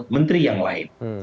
menteri yang lain